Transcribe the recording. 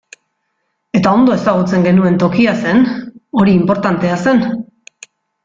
Eta ondo ezagutzen genuen tokia zen, hori inportantea zen.